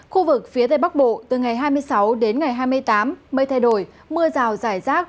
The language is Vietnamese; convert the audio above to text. khu vực phía tây bắc bộ từ ngày hai mươi sáu đến ngày hai mươi tám mây thay đổi mưa rào rải rác